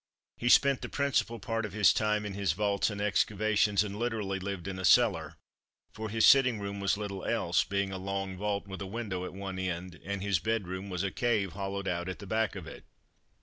He spent the principal part of his time in his vaults and excavations, and literally lived in a cellar, for his sitting room was little else, being a long vault with a window at one end, and his bedroom was a cave hollowed out at the back of it.